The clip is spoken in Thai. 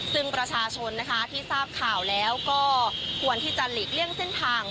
ซึ่งประชาชนนะคะที่ทราบข่าวแล้วก็ควรที่จะหลีกเลี่ยงเส้นทาง